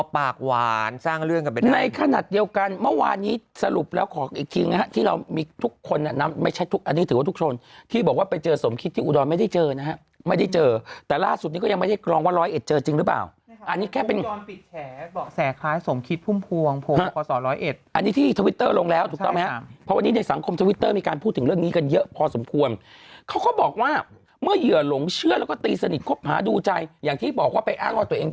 ปากหวานสร้างเรื่องกันไปได้ในขณะเดียวกันเมื่อวานนี้สรุปแล้วขออีกทีนะฮะที่เรามีทุกคนน่ะน้ำไม่ใช่ทุกอันนี้ถือว่าทุกคนที่บอกว่าไปเจอสมคิดที่อุดรไม่ได้เจอนะฮะไม่ได้เจอแต่ล่าสุดนี้ก็ยังไม่ได้กรองว่าร้อยเอ็ดเจอจริงหรือเปล่าอันนี้แค่เป็นอุดรปิดแขนบอกแสงคล้ายสมคิดพุ่มพวงพวง